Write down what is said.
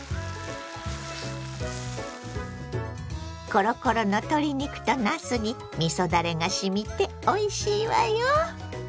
コロコロの鶏肉となすにみそだれがしみておいしいわよ。